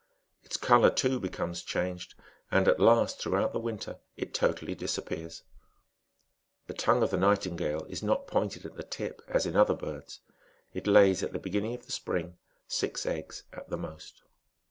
Its colour, too, becomes changed, and it last, throughout the winter, it totally disappears. The tongue 3f the nightingale is not pointed at the tip, as in other birds. It lays at the beginning of the spring, six eggs at the most.